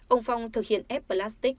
ông phong thực hiện ép plastic